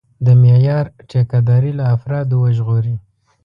د معیار ټیکهداري له افرادو وژغوري.